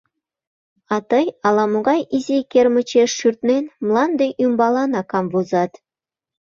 А тый, ала-могай изи кермычеш шӱртнен, мланде ӱмбаланак камвозат».